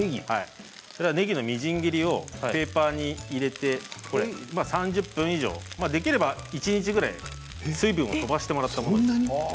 ねぎのみじん切りをペーパーに入れて３０分以上、できれば一日ぐらい水分を飛ばしてもらったほうが。